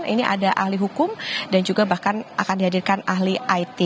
ini ada ahli hukum dan juga bahkan akan dihadirkan ahli it